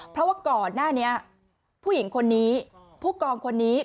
เพราะว่าก่อนหน้านี้ผู้หญิงคนนี้ผู้กองคนนี้